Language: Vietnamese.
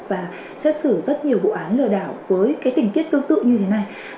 và xét xử rất nhiều vụ án lừa đảo với tình tiết tương tự như thế này